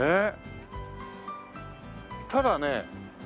ただね